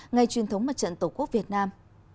ngày truyền thống mặt trận tổ quốc việt nam